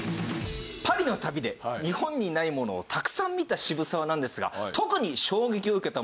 パリの旅で日本にないものをたくさん見た渋沢なんですが。